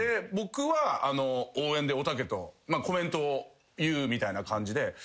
僕は応援でおたけとコメントを言うみたいな感じで。